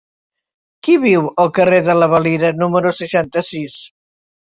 Qui viu al carrer de la Valira número seixanta-sis?